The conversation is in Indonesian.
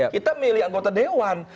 kita memilih anggota dewan